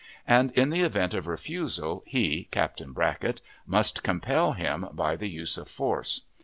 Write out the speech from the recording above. and in the event of refusal he (Captain Brackett) must compel him by the use of force.